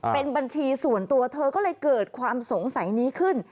เป็นบัญชีส่วนตัวเธอก็เลยเกิดความสงสัยนี้ขึ้น